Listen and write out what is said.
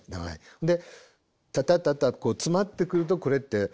で「タタタタ」詰まってくるとこれって「タタタタ」